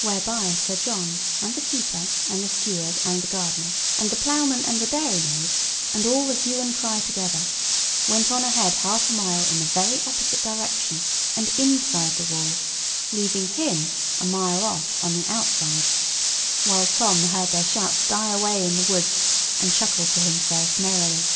Whereby Sir John, and the keeper, and the steward, and the gardener, and the ploughman, and the dairymaid, and all the hue and cry together, went on ahead half a mile in the very opposite direction, and inside the wall, leaving him a mile off on the outside; while Tom heard their shouts die away in the woods and chuckled to himself merrily.